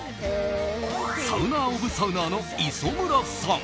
サウナ・オブ・サウナーの磯村さん。